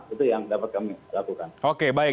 itu yang dapat kami lakukan